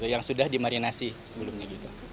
yang sudah dimarinasi sebelumnya